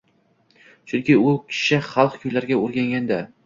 Chunki u kishi xalq kuylariga o’rgangan-da.